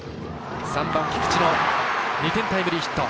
３番、菊地の２点タイムリーヒット。